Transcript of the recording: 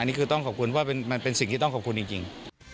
นี่คือต้องขอบคุณว่ามันเป็นสิ่งที่ต้องขอบคุณจริง